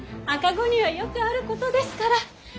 赤子にはよくあることですから。